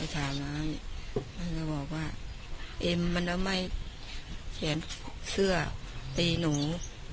ถามมามันจะบอกว่าเอ็มมันเอาไหมแขนเสื้อตีหนู